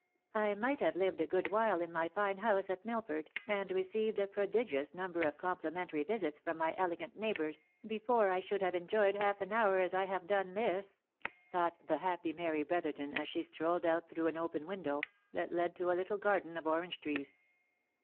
" I might have lived a good while in my fine house, at Milford, and received a prodigious number of complimentary visits from my elegant neighbours, before I should have enjoyed half an hour as I have done this," thought the happy Mary Brotherton, as she strolled out through, an open window, that led to a little garden of orange trees.